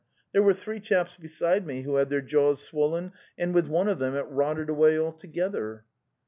There were three chaps beside me who had their jaws swollen, and with one of them it rotted away altogether."